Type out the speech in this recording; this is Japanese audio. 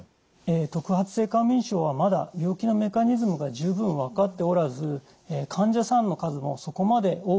特発性過眠症はまだ病気のメカニズムが十分分かっておらず患者さんの数もそこまで多くありません。